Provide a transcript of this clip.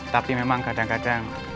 tapi memang kadang kadang